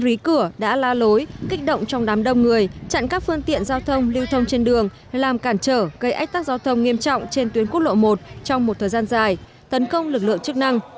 rúy cửa đã la lối kích động trong đám đông người chặn các phương tiện giao thông lưu thông trên đường làm cản trở gây ách tắc giao thông nghiêm trọng trên tuyến quốc lộ một trong một thời gian dài tấn công lực lượng chức năng